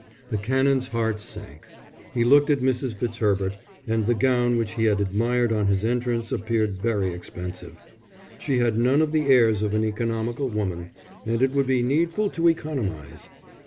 The Canon's heart sank. He looked at Mrs. Fitzherbert; and the gown which he had admired on his entrance appeared very expensive. She had none of the airs of an economical woman, and it would be needful to economize.